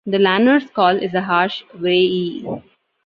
The lanner's call is a harsh "wray-e".